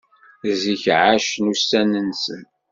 Zik εacen ussan-nsen.